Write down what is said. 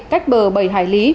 cách bờ bảy hải lý